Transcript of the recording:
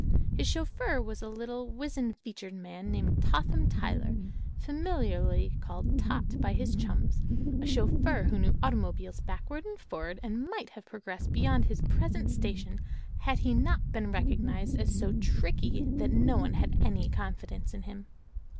His chauffeur was a little, wizen featured man named Totham Tyler, familiarly called "Tot" by his chums, a chauffeur who knew automobiles backward and forward and might have progressed beyond his present station had he not been recognized as so "tricky" that no one had any confidence in him.